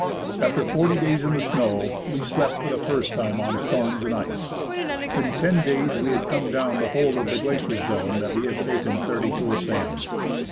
After forty days in the snow, we slept for the first time on stones and ice. In ten days we had come down the whole of the glacier zone that we had taken thirty to ascend.